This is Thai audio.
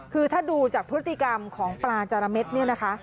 คือถ้าดูจากพฤติกรรมของปลาจาระเม็ดเนี่ยนะคะ